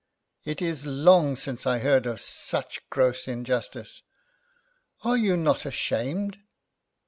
It is long since I heard of such gross injustice are you not ashamed?"